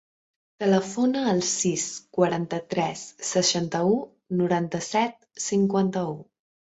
Telefona al sis, quaranta-tres, seixanta-u, noranta-set, cinquanta-u.